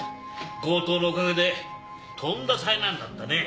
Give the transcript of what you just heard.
強盗のおかげでとんだ災難だったね。